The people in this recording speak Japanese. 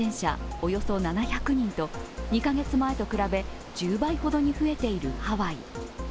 およそ７００人と２カ月前と比べ、１０倍ほどに増えているハワイ。